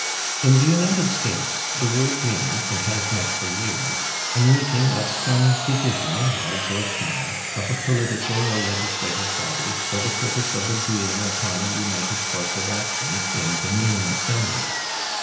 In the United States the word means, and has meant for years, a meeting of some division, [Pg132] large or small, of a political or legislative body for the purpose of agreeing upon a united course of action in the main assembly.